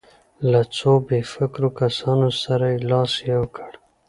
له څو بې فکرو کسانو سره یې لاس یو کړ.